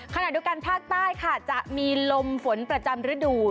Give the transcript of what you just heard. ขณะเดียวกันภาคใต้ค่ะจะมีลมฝนประจำฤดู